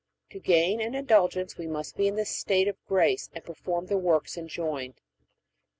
To gain an Indulgence we must be in the state of grace and perform the works enjoined.